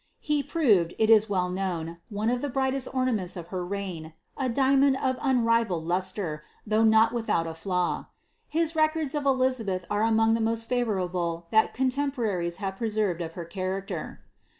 He proved, it is well known, one of the brightest or nunenlfl of her reign, a diamond of unrivalled lustre, though not without i flaw. His records of Elizabeth are among the most favourable that eontemporaries have preserved of her character.